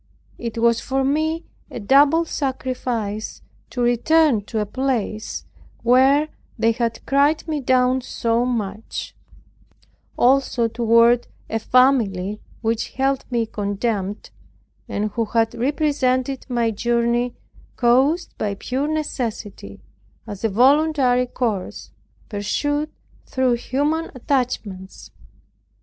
It was for me a double sacrifice to return to a place where they had cried me down so much; also toward a family which held me in contempt, and who had represented my journey, caused by pure necessity, as a voluntary course, pursued through human attachments.